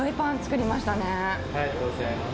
ありがとうございます。